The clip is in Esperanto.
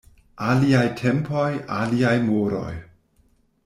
Aliaj tempoj, aliaj moroj.